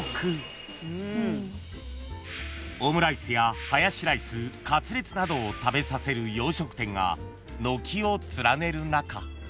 ［オムライスやハヤシライスカツレツなどを食べさせる洋食店が軒を連ねる中